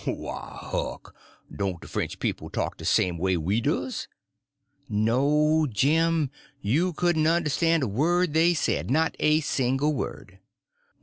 "Why, Huck, doan' de French people talk de same way we does?" "No, Jim; you couldn't understand a word they said—not a single word."